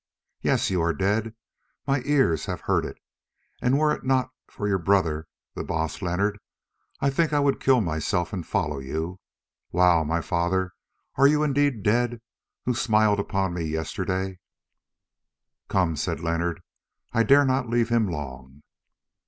Yes, you are dead, my ears have heard it, and were it not for your brother, the Baas Leonard, I think that I would kill myself and follow you. Wow, my father, are you indeed dead, who smiled upon me yesterday?" "Come," said Leonard; "I dare not leave him long."